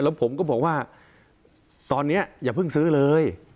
ผมก็บอกว่าตอนนี้อย่าเพิ่งซื้อเลย